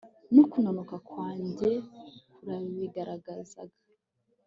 n'ukunanuka kwanjye kurabigaragaza